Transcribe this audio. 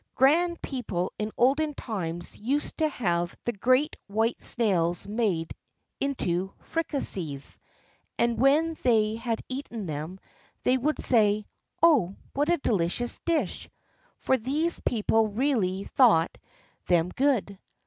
Grand people in olden times used to have the great white snails made into fricassees; and when they had eaten them, they would say: "Oh, what a delicious dish!" for these people really thought them good.